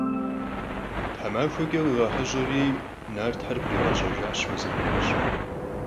Themaxueç'e khiğeheş'eri, nartxer khriğejejjaş Vuezırmec.